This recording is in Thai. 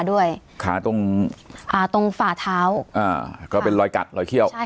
ด้วยขาตรงอ่าตรงฝาเท้าอ่าก็เป็นรอยกัดรอยเขี้ยวใช่